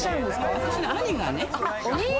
私の兄がね。